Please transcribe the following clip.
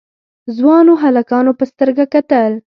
ځوانو هلکانو په سترګه کتل.